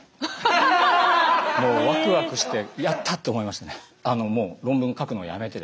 もうワクワクして「やった！」って思いましたね。